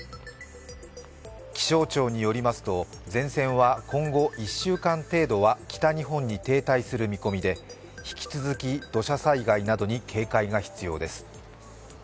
気象庁によりますと、前線は今後１週間程度は北日本に停滞する見込みで引き続き土砂災害などに警戒が必要です。